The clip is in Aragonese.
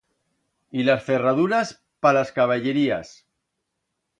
Y las ferraduras pa las caballerías.